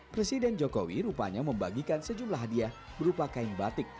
presiden jokowi rupanya membagikan sejumlah hadiah berupa kain batik